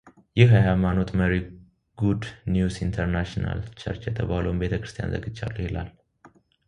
ይህ የሃይማኖት መሪ ጉድ ኒውስ ኢንትርናሽናል ቸርች የተባለውን ቤተክርስቲያን ዘግቻለሁ ይላል።